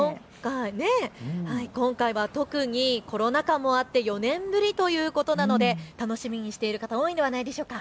今回は特にコロナ禍もあって４年ぶりということなので楽しみにしている方、多いんではないでしょうか。